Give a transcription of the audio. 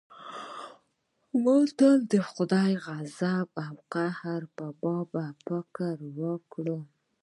ما تل د خداى د غضب او قهر په باب فکر کړى و.